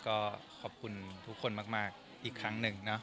ก็ขอบคุณทุกคนมากอีกครั้งหนึ่งนะ